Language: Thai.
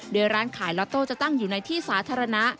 โดยร้านขายล็อตโต้จะตั้งอยู่ในที่สาธารณะ